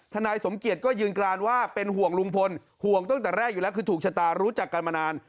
นายสมเกียจก็ยืนกรานว่าเป็นห่วงลุงพลห่วงตั้งแต่แรกอยู่แล้วคือถูกชะตารู้จักกันมานาน